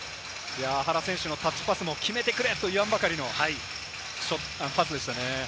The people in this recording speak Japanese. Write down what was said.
原選手のタッチパスも決めてくれと言わんばかりのパスでしたね。